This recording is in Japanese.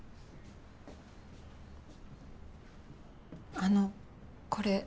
あのこれ